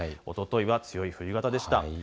おとといは強い冬型でした。